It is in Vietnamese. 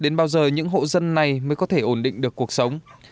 đến bao giờ những hộ dân này mới có thể ổn định được cuộc sống